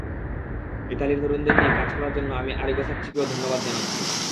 ইতালির তরুণদের নিয়ে কাজ করার জন্য আমি আরিগো সাচ্চিকেও ধন্যবাদ জানাচ্ছি।